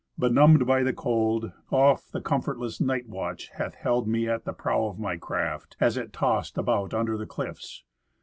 Benumbed by the cold, oft the comfortless night watch hath held me At the prow of my craft as it tossed about under the cliffs.